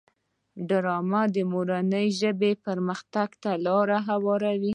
ډرامه د مورنۍ ژبې پرمختګ ته لاره هواروي